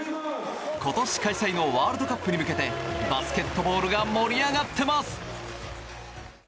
今年開催のワールドカップに向けてバスケットボールが盛り上がってます！